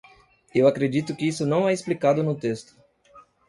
Eu acredito que isso não é explicado no texto.